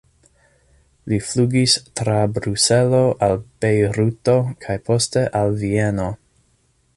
Li flugis tra Bruselo al Bejruto kaj poste al Vieno.